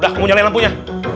udah mau nyalain lampunya